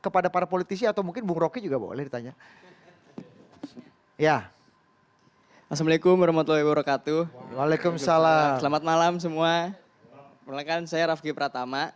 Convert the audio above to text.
pemilikkan saya raffky pratama